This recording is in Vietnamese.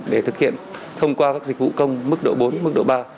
để thực hiện thông qua các dịch vụ công mức độ bốn mức độ ba